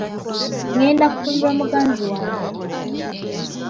Ngenda kufumbirwa muganzi wange.